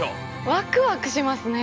ワクワクしますね。